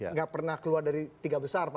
nggak pernah keluar dari tiga besar